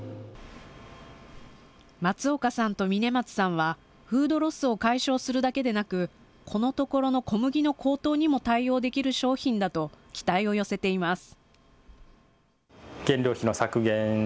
松岡さんと峯松さんは、フードロスを解消するだけでなく、このところの小麦の高騰にも対応できる商品だと期待を寄せています。